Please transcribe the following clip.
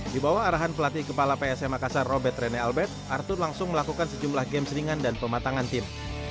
di bawah arahan pelatih kepala psm makassar robert rene albert arthur langsung melakukan sejumlah games ringan dan pematangan tim